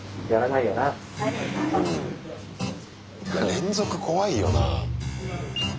連続怖いよなぁ。